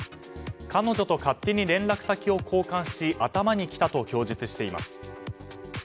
彼女と勝手に連絡先を交換し頭にきたと供述しています。